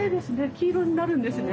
黄色になるんですね。